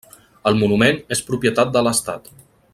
El monument és propietat de l'estat.